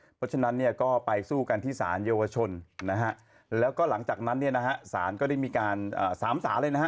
เพราะฉะนั้นก็ไปสู้กันที่สารเยาวชนแล้วก็หลังจากนั้นสารก็ได้มีการสามสารเลยนะฮะ